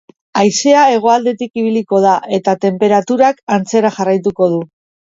Haizea hegoaldetik ibiliko da eta tenperaturak antzera jarraituko du.